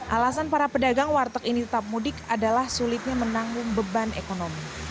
alasan para pedagang warteg ini tetap mudik adalah sulitnya menanggung beban ekonomi